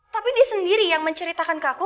tapi dia sendiri yang menceritakan ke aku